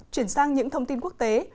chuyển sang những thông tin quốc tế